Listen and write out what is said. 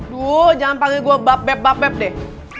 jangan panggil gue bab bab bab bab deh